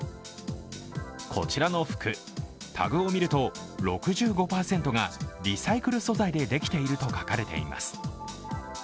こちらの服、タグを見ると６５％がリサイクル素材でできていると書かれています。